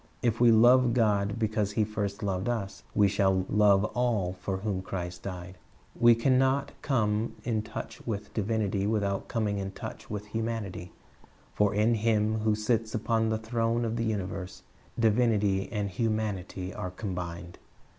If we love God because He first loved us, we shall love all for whom Christ died. We can not come in touch with divinity without coming in touch with humanity; for in Him who sits upon the throne of the universe, divinity and humanity are combined.